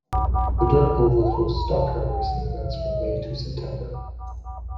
The dirt oval hosts stock car racing events from May to September.